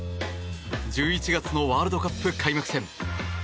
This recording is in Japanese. １１月のワールドカップ開幕戦。